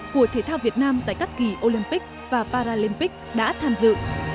của thể thao việt nam tại các kỳ olympic và paralympic đã tham dự